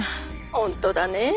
本当だねえ。